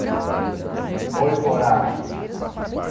Moiporá